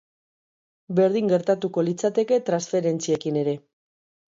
Berdin gertatuko litzateke transferentziekin ere.